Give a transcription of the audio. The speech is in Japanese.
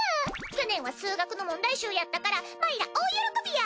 去年は数学の問題集やったからまいら大喜びや！